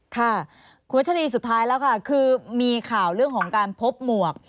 ค่ะคุณวัชรีสุดท้ายแล้วค่ะคือมีข่าวเรื่องของการพบหมวก